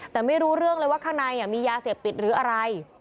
แต่ไม่รู้เรื่องเลยว่าข้างในมียาเสพติดหรืออะไร